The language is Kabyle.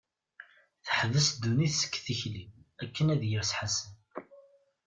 Teḥbes ddunit seg tikli, akken ad yers Ḥasan.